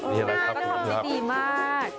พี่จะทำใจดีมาก